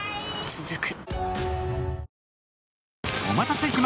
続く